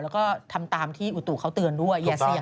และก็ทำตามที่อุตุเขาเตือนด้วย